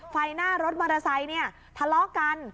ไฟหน้ารถมอเตอร์ไซค์เนี่ยทะเลาะกัน